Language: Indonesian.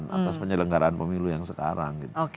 atas penyelenggaraan pemilu yang sekarang